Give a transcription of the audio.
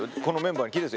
このメンバーに。